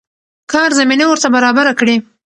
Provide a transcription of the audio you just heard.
کار زمينه ورته برابره کړي.